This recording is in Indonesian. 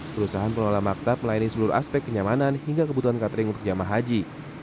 perusahaan pengelola maktab melayani seluruh aspek kenyamanan hingga kebutuhan catering untuk jamaah haji